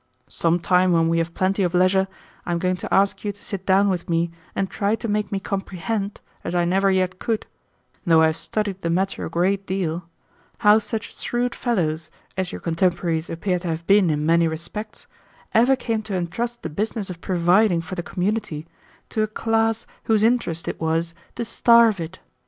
Some time when we have plenty of leisure I am going to ask you to sit down with me and try to make me comprehend, as I never yet could, though I have studied the matter a great deal how such shrewd fellows as your contemporaries appear to have been in many respects ever came to entrust the business of providing for the community to a class whose interest it was to starve it.